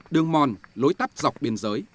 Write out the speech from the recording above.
đường mòn lối tắp dọc biên giới